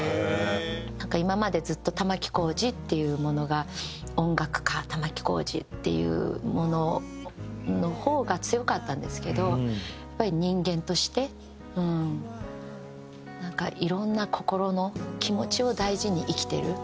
なんか今までずっと玉置浩二っていうものが音楽家玉置浩二っていうものの方が強かったんですけどやっぱり人間としてなんかいろんな心の気持ちを大事に生きてる。